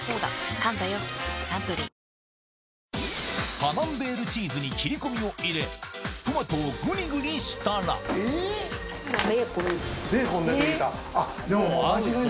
カマンベールチーズに切り込みを入れトマトをグリグリしたらベーコン。